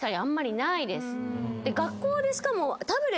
学校でしかも。